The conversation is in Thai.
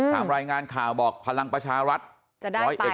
ตามรายงานข่าวบอกพลังประชารัฐจะได้๑๐๑